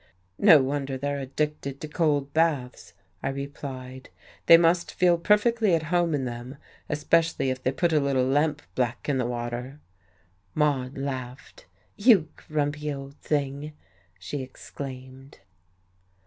"No wonder they're addicted to cold baths," I replied. "They must feel perfectly at home in them, especially if they put a little lampblack in the water." Maude laughed. "You grumpy old thing!" she exclaimed.